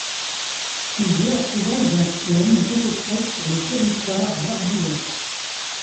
Plusieurs trouvailles anciennes ont été faites sur le territoire d'Arbouans.